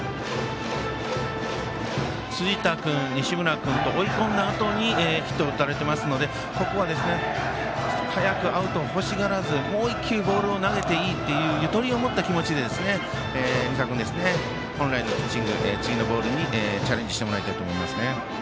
辻田君、西村君と追い込んだあとにヒットを打たれていますのでここは早くアウトを欲しがらずもう１球ボールを投げていいっていうゆとりを持った気持ちで、仁田君本来のピッチング、次のボールにチャレンジしてもらいたいと思いますね。